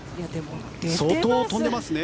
相当飛んでますね。